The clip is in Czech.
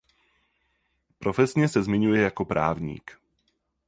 Profesně se zmiňuje jako právník.